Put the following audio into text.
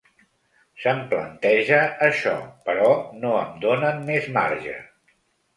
Se’m planteja això, però no em donen més marge.